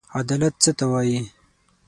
عدالت څه ته وايي؟